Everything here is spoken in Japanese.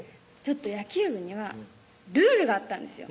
野球部にはルールがあったんですよ